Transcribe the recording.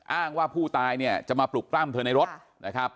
อ้างว่าผู้ตายจะมาปลุกกล้ามเธอในรถนะครับ